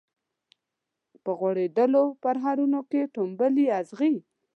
په غوړیدولو پرهرونو کي ټومبلي اغزي